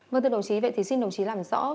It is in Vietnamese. vâng thưa đồng chí vậy thì xin đồng chí làm rõ